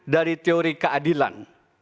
dari teori keadilan